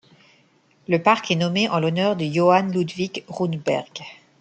Le parc est nommé en l'honneur de Johan Ludvig Runeberg.